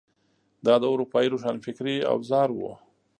دا د اروپايي روښانفکرۍ اوزار وو.